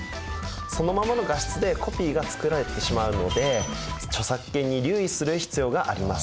そのままの画質でコピーが作られてしまうので著作権に留意する必要があります。